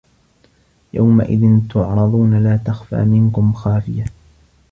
يَومَئِذٍ تُعرَضونَ لا تَخفى مِنكُم خافِيَةٌ